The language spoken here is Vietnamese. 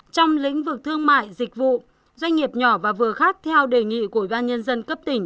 trong lĩnh vực thương mại dịch vụ doanh nghiệp nhỏ và vừa khác theo đề nghị của ủy ban nhân dân cấp tỉnh